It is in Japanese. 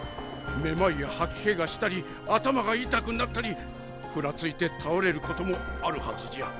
めまいや吐き気がしたり頭が痛くなったりふらついて倒れることもあるはずじゃ。